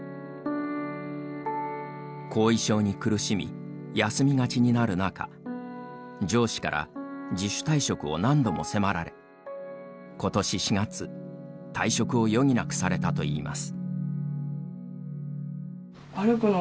後遺症に苦しみ休みがちになる中上司から自主退職を何度も迫られことし４月退職を余儀なくされたといいます。